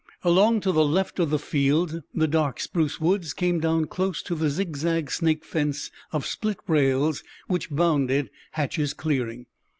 Along the left of the field the dark spruce woods came down close to the zigzag snake fence of split rails which bounded Hatch's clearing.